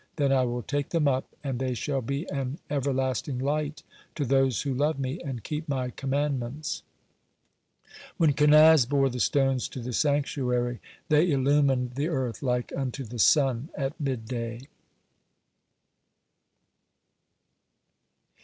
Then I will take them up, and they shall be an everlasting light to those who love me and keep my commandments." (14) When Kenaz bore the stones to the sanctuary, they illumined the earth like unto the sun at midday.